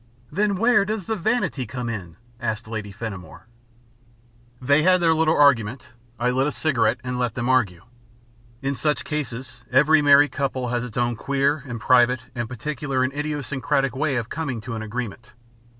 "Then where does the vanity come in?" asked Lady Fenimore. They had their little argument. I lit a cigarette and let them argue. In such cases, every married couple has its own queer and private and particular and idiosyncratic way of coming to an agreement.